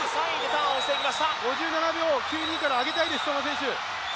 ５７秒９２から上げたい、相馬選手。